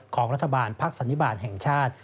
ของรัฐบาลภักดิ์สันนิบาทแห่งชาติ